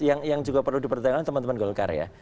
yang juga perlu dipertimbangkan teman teman golkar ya